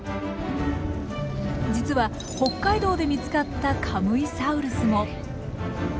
実は北海道で見つかったカムイサウルスも。